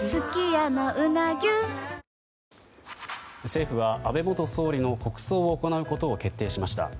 政府は安倍元総理の国葬を行うことを決定しました。